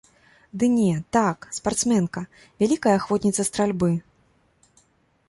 Ды не, так, спартсменка, вялікая ахвотніца стральбы.